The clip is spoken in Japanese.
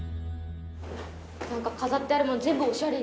何か飾ってあるもの全部おしゃれに。